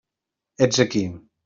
Ets aquí.